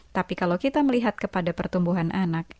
tapi kalau kita melihat kepada pertumbuhan anak